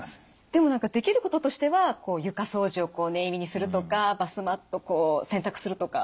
でも何かできることとしては床掃除を念入りにするとかバスマットこう洗濯するとか。